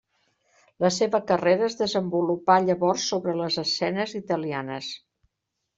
La seva carrera es desenvolupà llavors sobre les escenes italianes.